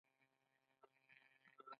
له نیم چالانې تودوخې سره ارام ورسولو.